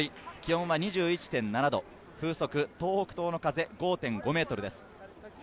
天候は曇り、気温は２１．７度、風速東北東の風５．５メートルです。